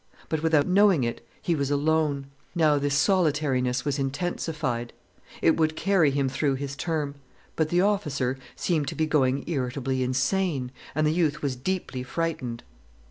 But, without knowing it, he was alone. Now this solitariness was intensified. It would carry him through his term. But the officer seemed to be going irritably insane, and the youth was deeply frightened.